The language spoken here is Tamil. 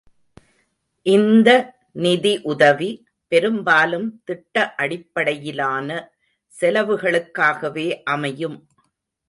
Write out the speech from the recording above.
இந்த நிதி உதவி பெரும்பாலும் திட்ட அடிப்படையினாலான செலவுகளுக்காகவே அமையும்.